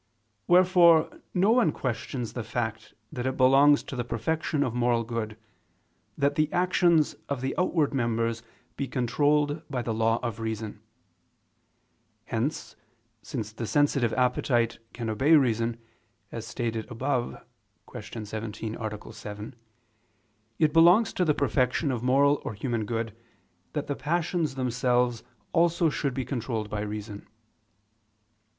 Wherefore no one questions the fact that it belongs to the perfection of moral good, that the actions of the outward members be controlled by the law of reason. Hence, since the sensitive appetite can obey reason, as stated above (Q. 17, A. 7), it belongs to the perfection of moral or human good, that the passions themselves also should be controlled by reason.